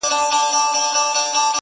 دا بېچاره به ښـايــي مــړ وي؛